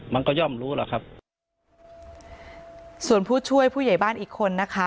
มันก็ย่อมรู้หรอกครับส่วนผู้ช่วยผู้ใหญ่บ้านอีกคนนะคะ